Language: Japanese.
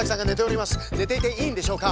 ねていていいんでしょうか！？